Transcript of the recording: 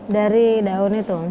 dari daun itu